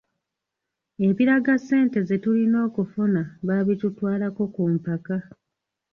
Ebiraga ssente ze tulina okufuna baabitutwalako ku mpaka.